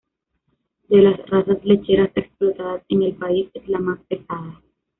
De las razas lecheras explotadas en el país es la más pesada.